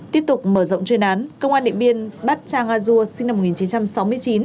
tiếp tục mở rộng chuyên án công an điện biên bắt cha nga dua sinh năm một nghìn chín trăm sáu mươi chín